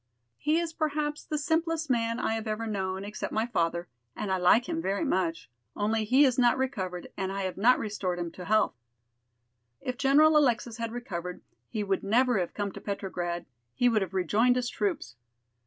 He is perhaps the simplest man I have ever known, except my father, and I like him very much. Only he has not recovered and I have not restored him to health. If General Alexis had recovered he would never have come to Petrograd, he would have rejoined his troops.